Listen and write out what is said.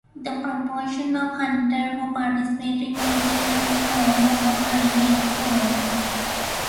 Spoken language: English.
The proportion of hunters who participate remotely has grown over time, as well.